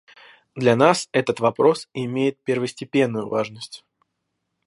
Для нас этот вопрос имеет первостепенную важность.